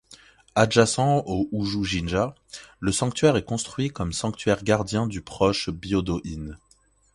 Adjacent au Uji-jinja, le sanctuaire est construit comme sanctuaire gardien du proche Byōdō-in.